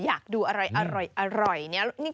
อยากดูอะไรอร่อยอร่อยนี่